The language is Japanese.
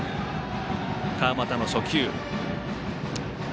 川又の初球。